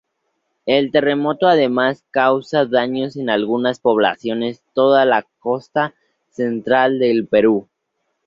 El terremoto además causa daños en algunas poblaciones toda la costa central del Perú.